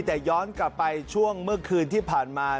แต่ย้อนกลับไปช่วงเมื่อคืนที่ผ่านมา